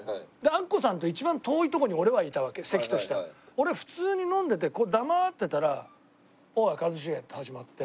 俺普通に飲んでて黙ってたら「おい！一茂」って始まって。